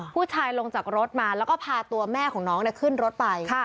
ผู้ชายลงจากรถมาแล้วก็พาตัวแม่ของน้องขึ้นรถไป